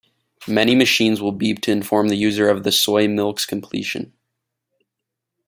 Many machines will beep to inform the user of the soy milk's completion.